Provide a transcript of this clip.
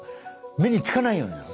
目につかないようになる。